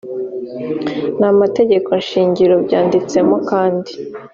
namategeko shingiro byanditsemo kandi